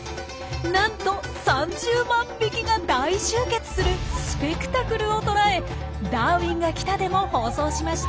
なんと３０万匹が大集結するスペクタクルを捉え「ダーウィンが来た！」でも放送しました。